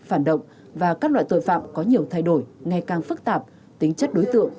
phản động và các loại tội phạm có nhiều thay đổi ngày càng phức tạp tính chất đối tượng